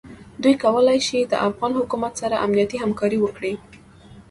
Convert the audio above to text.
دوی کولای شي د افغان حکومت سره امنیتي همکاري وکړي.